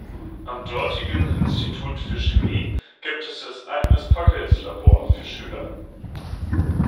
Am dortigen Institut für Chemie gibt es das Agnes-Pockels-Labor für Schüler.